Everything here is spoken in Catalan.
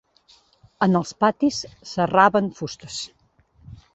En els patis serraven fustes